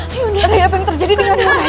rai apa yang terjadi denganmu rai